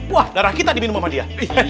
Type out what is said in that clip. wah darah kita diminum sama dia